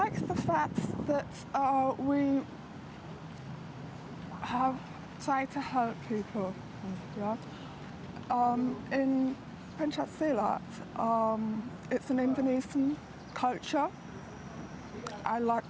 kapan anda mulai